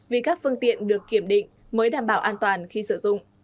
vì các phương tiện được kiểm định mới đảm bảo an toàn khi sử dụng